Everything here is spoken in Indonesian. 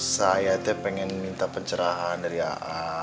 saya itu pengen minta pencerahan dari aa